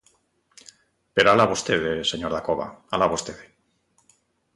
Pero alá vostede, señor Dacova, alá vostede.